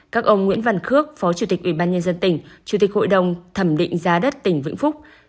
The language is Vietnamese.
các ông nguyễn văn khước phó chủ tịch ubnd tỉnh chủ tịch hội đồng thẩm định giá đất tỉnh vĩnh phúc